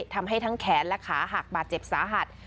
ทำให้ทั้งแขนและขาหักบาดเจ็บสาหัส